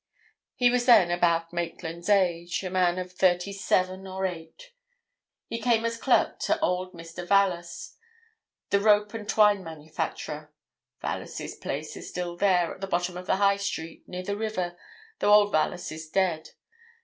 He was then about Maitland's age—a man of thirty seven or eight. He came as clerk to old Mr. Vallas, the rope and twine manufacturer: Vallas's place is still there, at the bottom of the High Street, near the river, though old Vallas is dead.